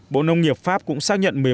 bộ nông nghiệp pháp cũng xác nhận